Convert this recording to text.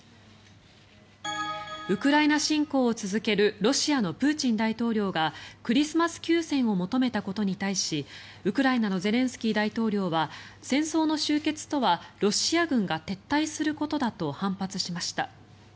ウクライナ侵攻を続けるロシアのプーチン大統領がクリスマス休戦を求めたことに対しウクライナのゼレンスキー大統領は戦争の終結とはロシア軍が撤退することだと反発しました。